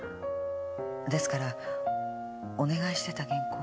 ですからお願いしてた原稿